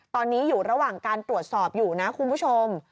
ตอนนี้อยู่ระหว่างการตรวจสอบอยู่นะคุณผู้ชม